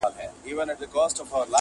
• پیسه داره بس واجب د احترام دي..